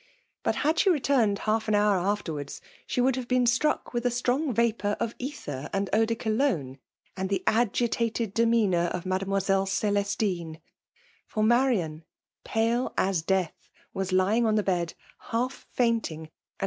Butj, had b1u3 return^ half au hour afierwardsj she would have been ^tracl^ with a strong vapour of ether and eau de Cologne, and the agitated demeanour of Mademoiselle C^lestine ; for Marian^ pale as deaths was lying on the bed^ half fainting and.